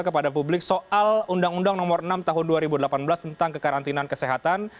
kepada publik soal undang undang nomor enam tahun dua ribu delapan belas tentang kekarantinaan kesehatan